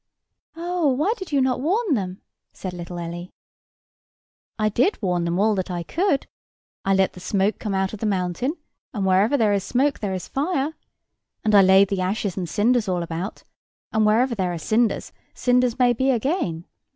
"Oh, why did you not warn them?" said little Ellie. "I did warn them all that I could. I let the smoke come out of the mountain; and wherever there is smoke there is fire. And I laid the ashes and cinders all about; and wherever there are cinders, cinders may be again.